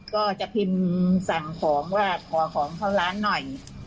ก็จะพิมพ์สั่งของว่าขอของเข้าร้านหน่อย